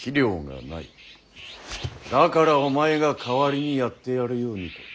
だからお前が代わりにやってやるようにと。